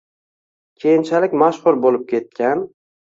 keyinchalik mashhur bo‘lib ketgan